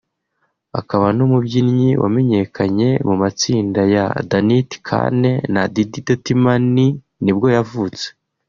akaba n’umubyinnyi wamenyekanye mu matsinda ya Danity Kane na Diddy – Dirty Money nibwo yavutse